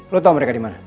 lo tau mereka dimana